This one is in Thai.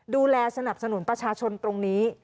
ดูแลสนับสนุนประชาชนตรงนี้